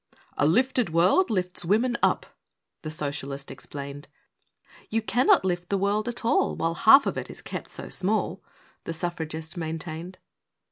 "A lifted world lifts women up," The Socialist explained. "You cannot lift the world at all While half of it is kept so small," The Suffragist maintained.